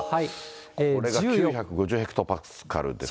これが９５０ヘクトパスカルですから。